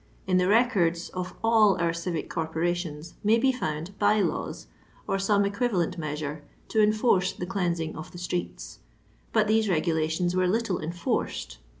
In the records of all our civic corporations may be found bye hiws, or some equivalent measure, to enforce the cleansing of the streets. But these regulations were little enforced.